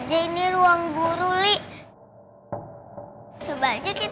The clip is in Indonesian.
tidak ada yang bisa dikira